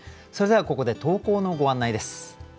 それではここで投稿のご案内です。